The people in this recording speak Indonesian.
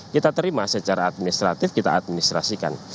kita terima secara administratif kita administrasikan